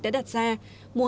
đã đạt được